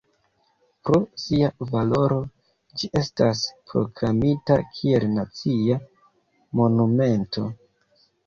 Pro sia valoro ĝi estas proklamita kiel nacia monumento.